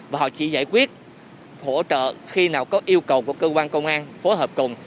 và họ chỉ giải quyết hỗ trợ khi nào có yêu cầu của cơ quan công an phối hợp cùng